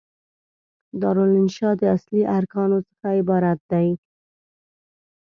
دارالانشأ د اصلي ارکانو څخه عبارت دي.